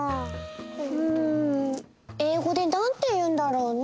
うん英語でなんていうんだろうね？